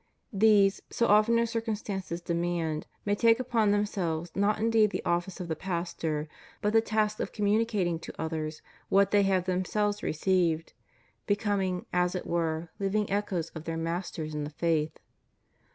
These, so often as circumstances demand, may take upon themselves, not indeed the office of the pastor, but the task of com municating to others what they have themselves received, becoming, as it were, hving echoes of their masters in the faith.